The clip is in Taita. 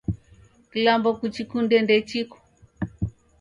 Kilambo kuchikunde ndechiko